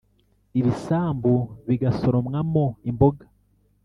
Ibisambu bigasoromwamo imboga